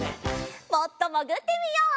もっともぐってみよう。